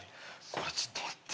これちょっと待って。